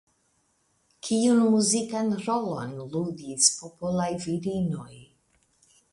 Kiun muzikan rolon ludis popolaj virinoj?